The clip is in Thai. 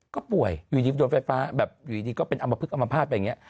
ก็ป่วยอยู่ดีกดวงไฟฟ้าอยู่ดีก็ปึ๊กอ้ำมาผ้าด้วย